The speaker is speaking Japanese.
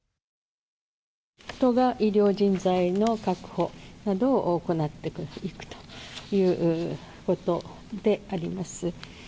都が医療人材の確保などを行っていくということであります。